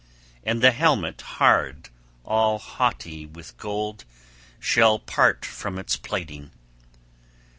And the helmet hard, all haughty with gold, shall part from its plating.